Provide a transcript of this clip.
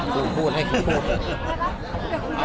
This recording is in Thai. ลองให้เลยเนี่ย